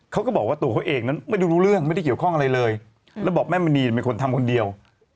เขาก็บอกว่าตัวเขาเองนั้นไม่รู้เรื่องไม่ได้เกี่ยวข้องอะไรเลยแล้วบอกแม่มณีเป็นคนทำคนเดียว